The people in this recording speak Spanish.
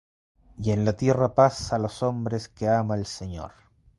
y en la tierra paz a los hombres que ama el Señor.